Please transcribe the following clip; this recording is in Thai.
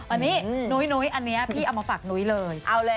อันนี้นุ้ยอันนี้พี่เอามาฝากนุ้ยเลย